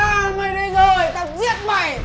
á mày đi rồi tao giết mày